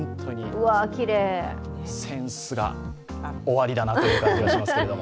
センスが終わりだなという気がしますけど。